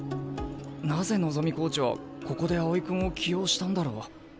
なぜ望コーチはここで青井君を起用したんだろう？